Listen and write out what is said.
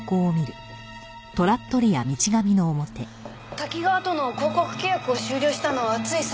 タキガワとの広告契約を終了したのはつい最近です。